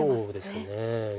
そうですね。